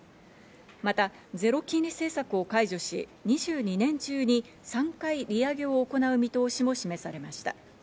またゼロ金利政策を解除し、２２年中に３回利上げを行う見通しも示されました。